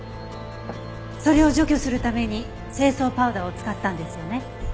それを除去するために清掃パウダーを使ったんですよね？